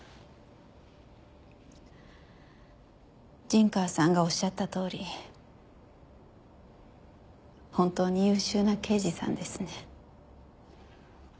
陣川さんがおっしゃったとおり本当に優秀な刑事さんですね。